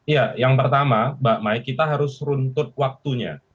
ya yang pertama mbak mai kita harus runtut waktunya